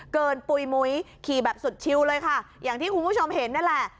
ปุ๋ยมุ้ยขี่แบบสุดชิวเลยค่ะอย่างที่คุณผู้ชมเห็นนั่นแหละ